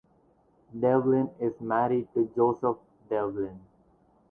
Devlin is married to Joseph Devlin.